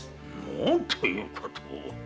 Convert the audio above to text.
何ということを。